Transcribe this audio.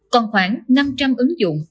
còn khoảng năm trăm linh ứng dụng